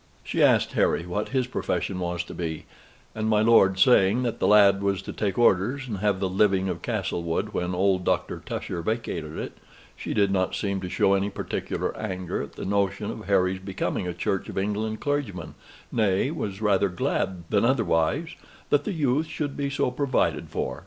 She asked Harry what his profession was to be; and my lord, saying that the lad was to take orders, and have the living of Castlewood when old Dr. Tusher vacated it, she did not seem to show any particular anger at the notion of Harry's becoming a Church of England clergyman, nay, was rather glad than otherwise, that the youth should be so provided for.